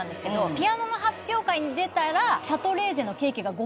ピアノの発表会に出たら。